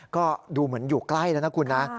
ก็ดูเหมือนอยู่ใกล้แล้วนะคุณนะ